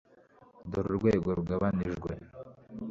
Dore urwego rugabanijwe